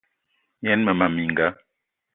Yen mmee minga: